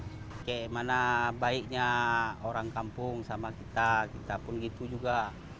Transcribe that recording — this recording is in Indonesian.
bagaimana baiknya orang kampung sama kita kita pun gitu juga